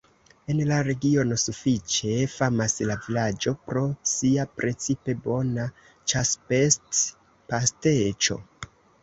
En la regiono sufiĉe famas la vilaĝo pro sia precipe bona ĉasbest-pasteĉo.